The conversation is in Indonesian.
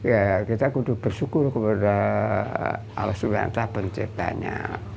ya kita bersyukur kepada allah swth penciptanya